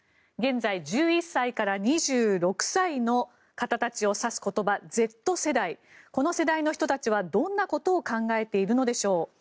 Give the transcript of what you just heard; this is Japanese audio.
現在、１１歳から２６歳の方たちを指す言葉Ｚ世代この世代の人たちはどんなことを考えているのでしょう。